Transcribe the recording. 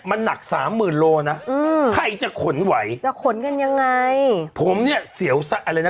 มันหนักสามหมื่นโลนะอืมใครจะขนไหวจะขนกันยังไงผมเนี่ยเสียวซะอะไรนะ